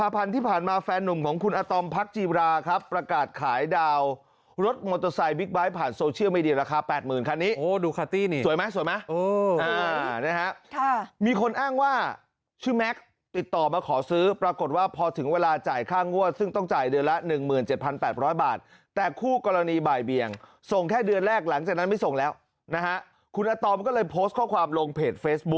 ไฟล์ผ่านโซเชียลมีเดียราคา๘๐๐๐๐คันนี้โหดูคาร์ตี้นี่สวยไหมสวยไหมโอ้โหนะฮะค่ะมีคนอ้างว่าชื่อแม็กติดต่อมาขอซื้อปรากฏว่าพอถึงเวลาจ่ายค่างวดซึ่งต้องจ่ายเดือนละ๑๗๘๐๐บาทแต่คู่กรณีบ่ายเบียงส่งแค่เดือนแรกหลังจากนั้นไม่ส่งแล้วนะฮะคุณอาตอมก็เลยโพสต์ข้อความลงเพจเฟซบุ๊